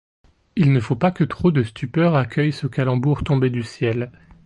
Il ne faut pas que trop de stupeur accueille ce calembour tombé du ciel.